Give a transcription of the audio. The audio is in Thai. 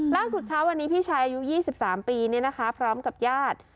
ล่าสุดเช้าวันนี้พี่ชายอายุ๒๓ปีนี่นะคะพร้อมกับญาติ